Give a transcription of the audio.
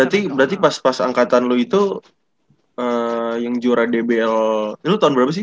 eh berarti pas angkatan lo itu yang juara dbl lo tahun berapa sih